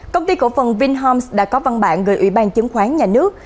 công ty cổ phần vinhoms đã có văn bản gửi ủy ban chứng khoán nhà nước